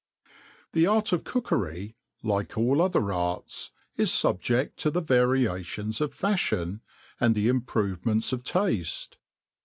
CJ^H E Art of Cookery y like all other arts^ isfidyeSto "^ the variations of fajhion^ and the improvements of tafie.